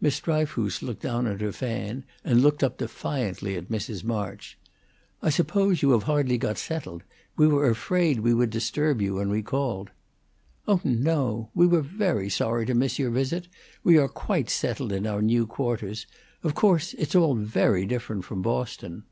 Miss Dryfoos looked down at her fan, and looked up defiantly at Mrs. March. "I suppose you have hardly got settled. We were afraid we would disturb you when we called." "Oh no! We were very sorry to miss your visit. We are quite settled in our new quarters. Of course, it's all very different from Boston."